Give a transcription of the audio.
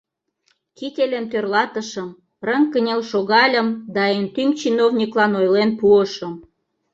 Кителем тӧрлатышым, рыҥ кынел шогальым да эн тӱҥ чиновниклан ойлен пуышым: